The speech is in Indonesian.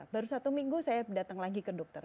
baru satu minggu saya datang lagi ke dokter